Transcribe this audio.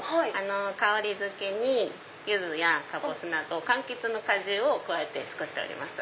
香りづけにユズやカボスなどかんきつの果汁を加えて作っております。